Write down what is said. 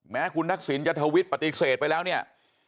แม้คุณนักศิลป์ยธวิทย์ปฏิเสธไปแล้วเนี่ย